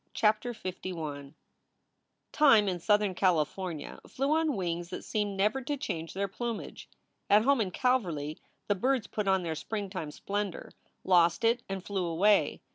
CHAPTER LI TIME in southern California flew on wings that seemed never to change their plumage. At home in Calverly the birds put on their springtime splendor, lost it, and flew away.